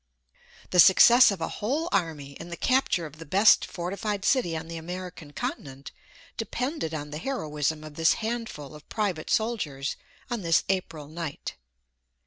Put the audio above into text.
The success of a whole army and the capture of the best fortified city on the American continent depended on the heroism of this handful of private soldiers on this April night.